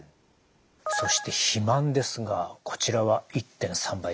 そして肥満ですがこちらは１．３倍１．４倍でした。